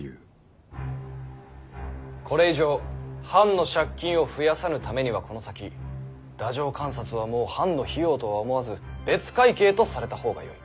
これ以上藩の借金を増やさぬためにはこの先太政官札はもう藩の費用とは思わず別会計とされた方がよい。